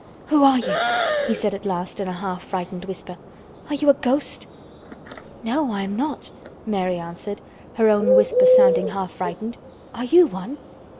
"Who are you?" he said at last in a half frightened whisper. "Are you a ghost?" "No, I am not," Mary answered, her own whisper sounding half frightened. "Are you one?"